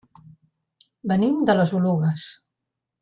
Venim de les Oluges.